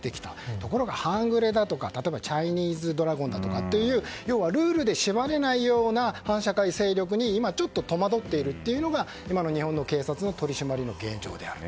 ところが半グレやチャイニーズドラゴンだとかルールで縛れないような反社会勢力に今、ちょっと戸惑っているのが今の日本の警察の取り締まりの現状であると。